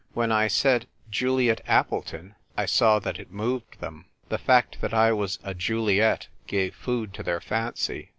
When I said "Juliet Appleton " I saw that it moved them. The fact that I was a Juliet gave food to their fancy.